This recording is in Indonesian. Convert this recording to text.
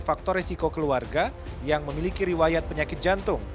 faktor resiko keluarga yang memiliki riwayat penyakit jantung